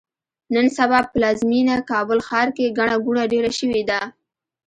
نن سبا پلازمېینه کابل ښار کې ګڼه ګوڼه ډېره شوې ده.